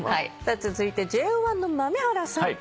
続いてＪＯ１の豆原さん。